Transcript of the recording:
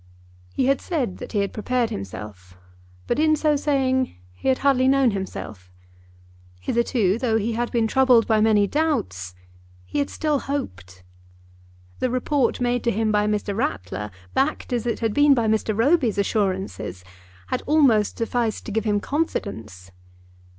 He had said that he had prepared himself, but, in so saying, he had hardly known himself. Hitherto, though he had been troubled by many doubts, he had still hoped. The report made to him by Mr. Rattler, backed as it had been by Mr. Roby's assurances, had almost sufficed to give him confidence.